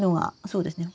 そうですね。